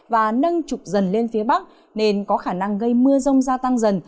và nâng trục dần lên phía bắc nên có khả năng gây mưa rông gia tăng dần